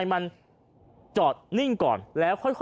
สวัสดีครับ